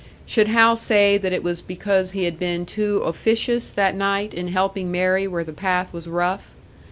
Should Hal say that it was because he had been too officious that night in helping Mary where the path was rough?